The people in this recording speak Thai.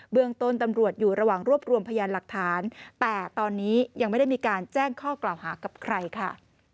เมืองต้นตำรวจอยู่ระหว่างรวบรวมพยานหลักฐานแต่ตอนนี้ยังไม่ได้มีการแจ้งข้อกล่าวหากับใครค่ะ